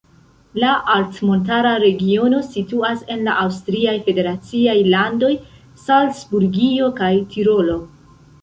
La altmontara regiono situas en la aŭstriaj federaciaj landoj Salcburgio kaj Tirolo.